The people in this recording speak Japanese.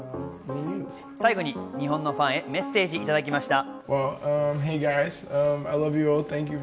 最後に日本のファンへメッセージをいただきました。